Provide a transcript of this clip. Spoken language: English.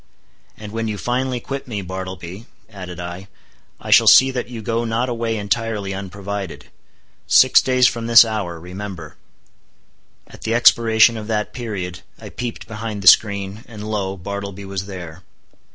"And when you finally quit me, Bartleby," added I, "I shall see that you go not away entirely unprovided. Six days from this hour, remember." At the expiration of that period, I peeped behind the screen, and lo! Bartleby was there.